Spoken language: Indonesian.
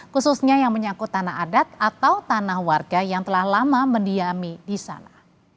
khususnya yang menyangkut tanah adat atau tanah warga yang telah lama mendiami di sana